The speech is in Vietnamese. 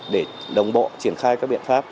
để đồng bộ triển khai các biện pháp